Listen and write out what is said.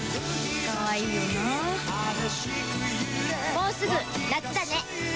もうすぐ夏だね